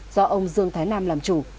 do ông dương thái nam làm chủ